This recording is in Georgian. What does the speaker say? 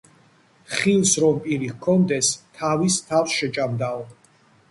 ხილს რომ პირი ჰქონდეს, თავის თავს შეჭამდაო.